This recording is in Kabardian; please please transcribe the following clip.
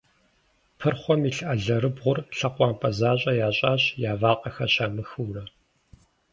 Пырхъуэм илъ алэрыбгъур лъэкъуампӏэ защӏэ ящӏащ, я вакъэхэр щамыхыурэ.